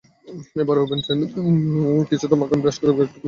এবার ওভেন ট্রেতে কিছুটা মাখন ব্রাশ করে বাকিটুকু আলুতে ব্রাশ করে দিন।